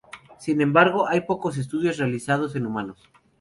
Sin embargo, hay pocos estudios realizados en humanos.